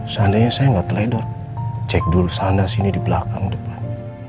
seandainya saya nggak teledor cek dulu sana sini di belakang depan